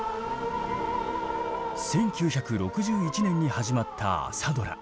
１９６１年に始まった朝ドラ。